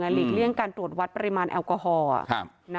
หลีกเลี่ยงการตรวจวัดปริมาณแอลกอฮอล์